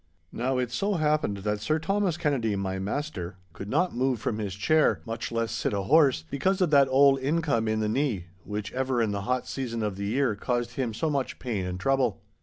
Now, it so happened that Sir Thomas Kennedy, my master, could not move from his chair, much less sit a horse, because of that old income in the knee, which ever in the hot season of the year caused him so much pain and trouble.